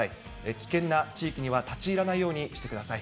危険な地域には立ち入らないようにしてください。